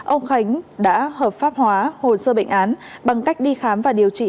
ông khánh đã hợp pháp hóa hồ sơ bệnh án bằng cách đi khám và điều trị